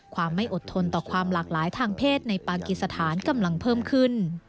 ความไม่อดทนต่อความหลากหลายทางเพศในปากิสถานกำลังเพิ่มขึ้น